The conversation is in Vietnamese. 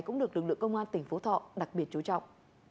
cũng được lực lượng công an tỉnh phú thọ đặc biệt chú trọng